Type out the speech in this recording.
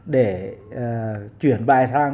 để chuyển bài sang